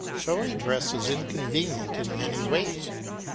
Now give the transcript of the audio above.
Showy dress is inconvenient in many ways.